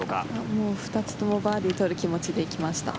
もう２つともバーディーを取る気持ちで行きました。